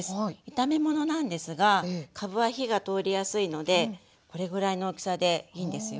炒め物なんですがかぶは火が通りやすいのでこれぐらいの大きさでいいんですよ。